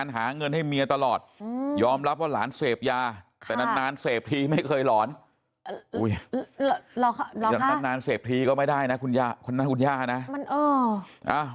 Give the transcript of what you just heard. ป่านรับว่าร้านเสพยาแต่นาวนานเสพทีไม่เคยหล่อนเหรอค่ะนานเสพทีก็ไม่ได้นะคุณยานะ